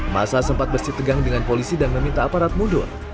masa sempat bersitegang dengan polisi dan meminta aparat mundur